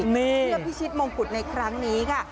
เพื่อพิชิตมงกุฎในครั้งนี้ค่ะ